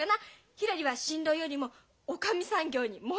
ひらりは新郎よりもおかみさん業に燃えてますって。